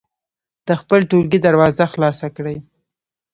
د خپل ټولګي دروازه خلاصه کړئ.